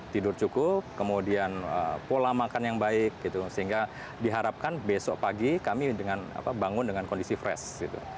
tidur cukup kemudian pola makan yang baik sehingga diharapkan besok pagi kami bangun dengan kondisi fresh gitu